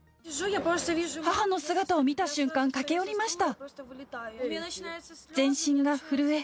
母の姿を見た瞬間、駆け寄りました。